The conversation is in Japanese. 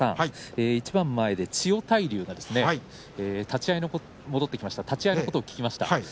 一番前で千代大龍が立ち合い戻ってきました立ち合いのことを聞きました。